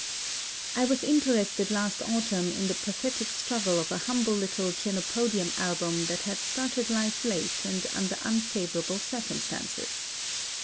I was interested last autumn in the pathetic struggle of a humble little Chenopodium album that had started life late and under unfavorable circumstances.